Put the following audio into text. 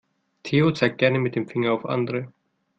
Theo zeigt gerne mit dem Finger auf andere.